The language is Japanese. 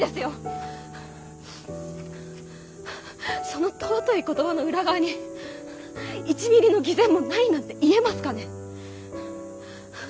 その尊い言葉の裏側に１ミリの偽善もないなんて言えますかね？